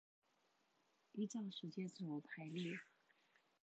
依照時間軸排列